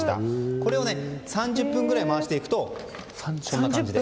これを３０分ぐらい回していくとこんな感じです。